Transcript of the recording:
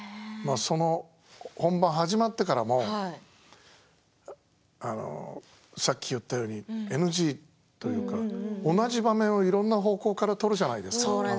その本番が始まってからもさっき言ったようにＮＧというか同じ場面をいろんな方向から撮るじゃないですか。